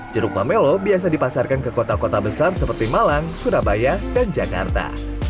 jeruk pamelo biasa dipasarkan ke kota kota besar seperti malang surabaya dan jakarta